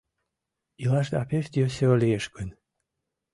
Илашда пеш йӧсӧ лиеш гын